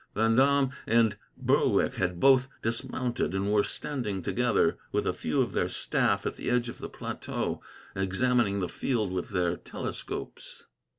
Vendome and Berwick had both dismounted, and were standing together, with a few of their staff, at the edge of the plateau, examining the field with their telescopes.